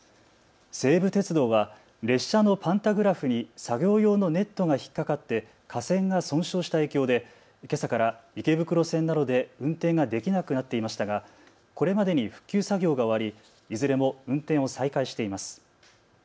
西武鉄道は列車のパンタグラフに作業用のネットが引っ掛かって架線が損傷した影響でけさから池袋線などで運転ができなくなっていましたがこれまでに復旧作業が終わりいずれも運転を再開しています。